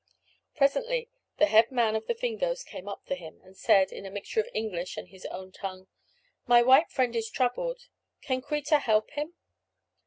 Presently the head man of the Fingoes came up to him, and said, in a mixture of English and his own tongue: "My white friend is troubled; can Kreta help him?"